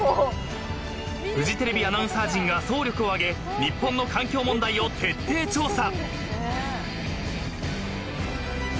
［フジテレビアナウンサー陣が総力を挙げ日本の環境問題を徹底調査！］